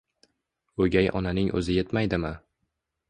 O'gay onaning o'zi yetmaydimi?